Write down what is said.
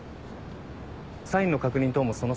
サインの確認等もその際に。